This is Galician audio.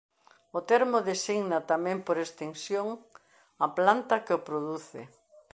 O termo designa tamén por extensión á planta que o produce.